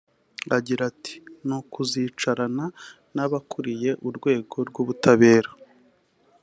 Agira ati "Ni ukuzicarana n’abakuriye urwego rw’ubutabera